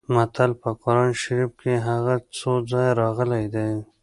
مثل په قران شریف کې هم څو ځایه راغلی دی